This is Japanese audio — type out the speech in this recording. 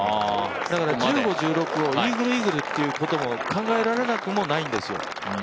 だから１５、１６をイーグル、イーグルということも考えられなくもないんですよ。